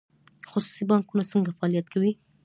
خصوصي بانکونه څنګه فعالیت کوي؟